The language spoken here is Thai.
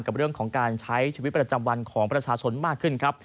กับเรื่องของการใช้ชีวิตประจำวันของประชาชนมากขึ้นครับ